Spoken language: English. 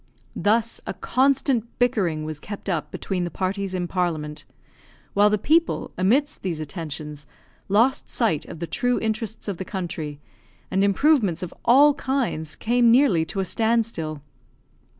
Thus a constant bickering was kept up between the parties in Parliament; while the people, amidst these attentions, lost sight of the true interests of the country, and improvements of all kinds came nearly to a stand still.